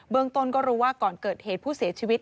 เมืองต้นก็รู้ว่าก่อนเกิดเหตุผู้เสียชีวิต